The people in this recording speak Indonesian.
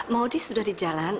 maudie sudah di jalan